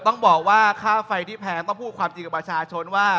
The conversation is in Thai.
ต้องบอกว่าค่าไฟที่แพงต้องพูดความจริงกับประชาชนว่า